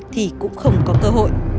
thì cũng không có cơ hội